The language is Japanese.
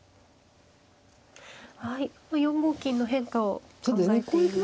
はい４五金の変化を考えている。